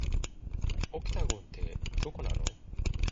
オクタゴンって、どこなの